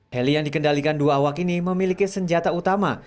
heli yang dikendalikan dua awak ini memiliki senjata utama